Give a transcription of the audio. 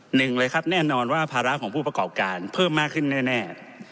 หนึ่งเลยครับแน่นอนว่าภาระของผู้ประกอบการเพิ่มมากขึ้นแน่